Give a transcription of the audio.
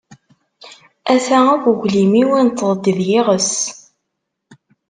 Ata akk uglim-iw, inteḍ-d d iɣes.